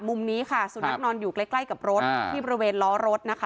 มุมนี้ค่ะสุนัขนอนอยู่ใกล้ใกล้กับรถที่บริเวณล้อรถนะคะ